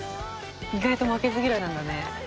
「意外と負けず嫌いなんだね」